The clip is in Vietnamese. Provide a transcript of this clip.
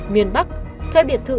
miền bắc thuê biệt thự